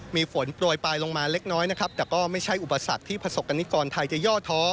มีฝนโปรยปลายลงมาเล็กน้อยนะครับแต่ก็ไม่ใช่อุปสรรคที่ประสบกรณิกรไทยจะย่อท้อ